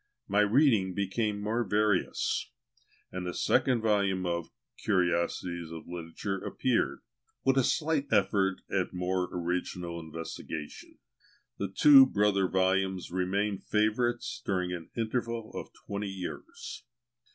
My reading became more various, and the second volume of "Curiosities of Literature" appeared, with a slight effort at more original investigation. The two brother volumes remained favourites during an interval of twenty years.